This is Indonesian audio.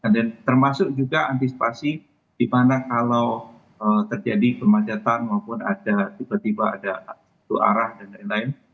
dan termasuk juga antisipasi di mana kalau terjadi kemanjatan maupun ada tiba tiba ada tu arah dan lain lain